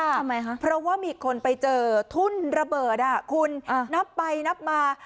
ทำไมคะเพราะว่ามีคนไปเจอทุ่นระเบิดอ่ะคุณนับไปนับมา